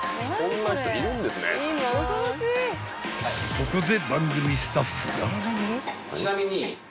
［ここで］